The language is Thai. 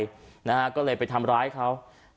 ว่าจะเลี้ยวกลับไปก็เลยไปทำร้ายเขา